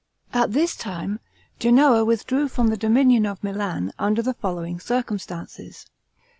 At this time, Genoa withdrew from the dominion of Milan, under the following circumstances.